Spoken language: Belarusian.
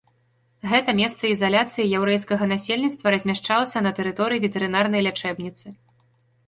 Гэта месца ізаляцыі яўрэйскага насельніцтва размяшчалася на тэрыторыі ветэрынарнай лячэбніцы.